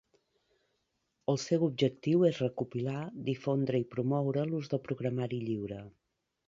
El seu objectiu és recopilar, difondre i promoure l'ús del programari lliure.